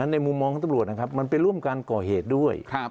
ในมุมมองของตำรวจนะครับมันไปร่วมการก่อเหตุด้วย